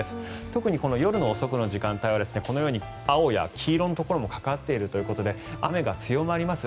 特に夜遅くの時間帯はこのように青や黄色のところもかかっているということで雨が強まります。